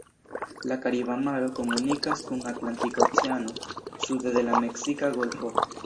La Kariba maro komunikas kun Atlantika Oceano, sude de la Meksika Golfo.